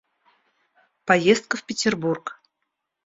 Поездка в Петербург.